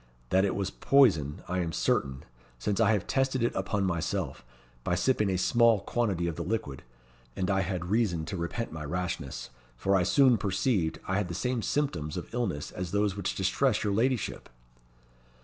That it was poison, I am certain, since I have tested it upon myself, by sipping a small quantity of the liquid; and I had reason to repent my rashness, for I soon perceived I had the same symptoms of illness as those which distress your ladyship."